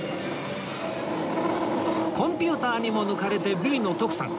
コンピューターにも抜かれてビリの徳さん